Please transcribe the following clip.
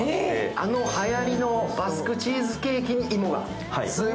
あのはやりのバスクチーズケーキに芋が。